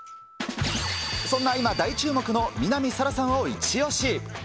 そんな今、大注目の南沙良さんをイチオシ。